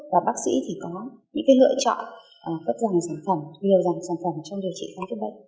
và bác sĩ thì có những cái lựa chọn cất dòng sản phẩm nhiều dòng sản phẩm trong điều trị các cái bệnh